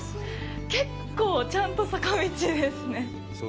結構ちゃんと坂道ですね。